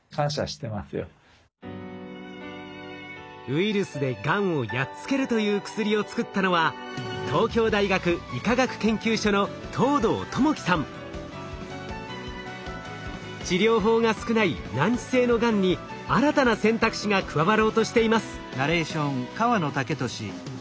ウイルスでがんをやっつけるという薬を作ったのは治療法が少ない難治性のがんに新たな選択肢が加わろうとしています。